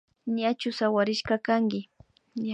Ñachu sawarishka kanki